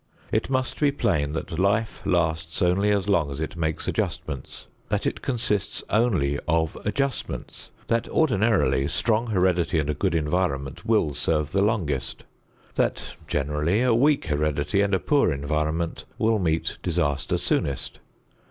It must be plain that life lasts only as long as it makes adjustments. That it consists only of adjustments. That, ordinarily, strong heredity and a good environment will serve the longest. That, generally, a weak heredity and a poor environment will meet disaster soonest.